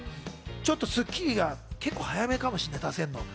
『スッキリ』が結構早めかもしれない、出せるの。